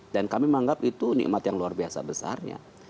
dan kami menganggap itu nikmat yang luar biasa besarnya